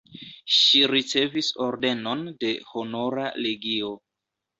Ŝi ricevis ordenon de Honora legio.